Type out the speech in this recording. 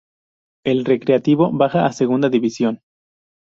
El Recreativo baja a segunda división.